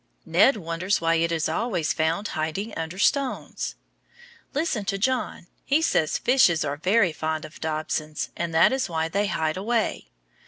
Ned wonders why it is always found hiding under stones. Listen to John, he says fishes are very fond of dobsons, and that is why they hide away.